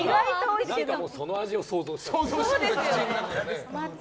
その味を想像しちゃう。